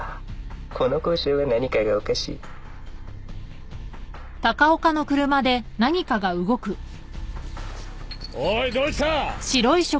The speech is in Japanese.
この交渉は何かがおかしいおいどうした？